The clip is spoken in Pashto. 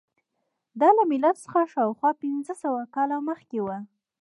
دا له میلاد څخه شاوخوا پنځه سوه کاله مخکې وه.